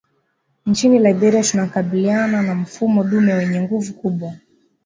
Nchini Liberia tunakabiliana na mfumo dume wenye nguvu kubwa